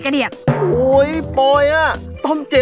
แบบนี้ก็ได้